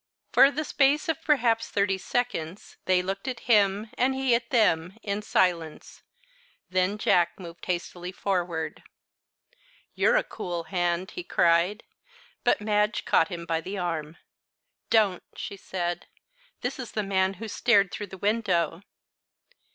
For the space of perhaps thirty seconds they looked at him, and he at them, in silence. Then Jack moved hastily forward. "You're a cool hand!" he cried. But Madge caught him by the arm. "Don't!" she said. "This is the man who stared through the window."